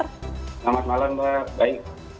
selamat malam mbak baik